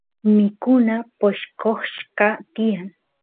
mikuna poshqoshqa tiyan